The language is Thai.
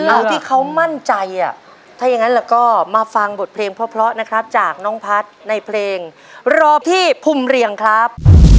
เอาที่เขามั่นใจอ่ะถ้าอย่างนั้นเราก็มาฟังบทเพลงเพราะนะครับจากน้องพัฒน์ในเพลงรอพี่ภูมิเรียงครับ